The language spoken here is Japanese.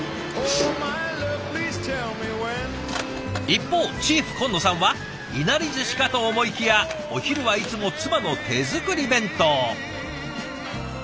一方チーフ金野さんはいなりずしかと思いきやお昼はいつも妻の手作り弁当。